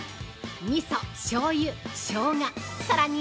みそ、しょうゆ、しょうがさらに！